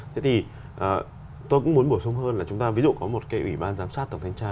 thế thì tôi cũng muốn bổ sung hơn là chúng ta ví dụ có một cái ủy ban giám sát tổng thanh tra